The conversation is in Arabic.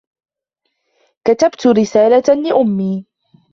كتبت رسالة لأمي.